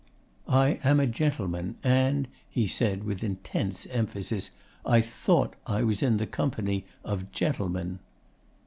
'I am a gentleman, and,' he said with intense emphasis, 'I thought I was in the company of GENTLEMEN.